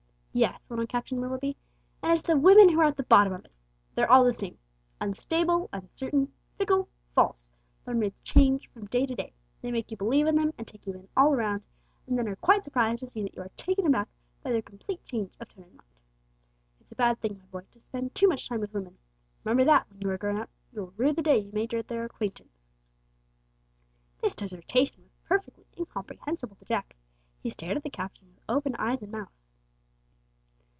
"Yes," went on Captain Willoughby. "And it's the women who are at the bottom of it. They're all the same unstable, uncertain, fickle, false, their moods change from day to day; they make you believe in them, and take you in all round, and then are quite surprised to see that you are taken aback by their complete change of tone and mind. It's a bad thing, my boy, to spend too much time with women. Remember that when you grow up. You will rue the day you made their acquaintance." This dissertation was perfectly incomprehensible to Jack. He stared at the Captain with open eyes and mouth.